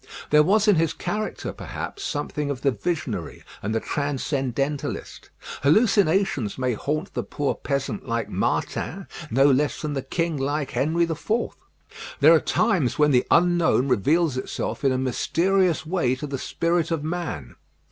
There was in his character, perhaps, something of the visionary and the transcendentalist. Hallucinations may haunt the poor peasant like Martin, no less than the king like Henry IV. There are times when the unknown reveals itself in a mysterious way to the spirit of man.